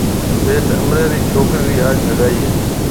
سيٺ امريَ ريَ ڇوڪريَ رِي آج هگائي هيَ۔